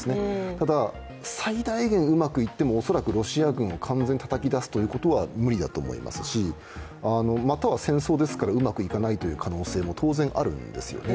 ただ、最大限うまくいっても恐らくロシア軍を完全にたたき出すというのは無理だと思いますしまたは戦争ですから、うまくいかないという可能性も当然あるんですよね。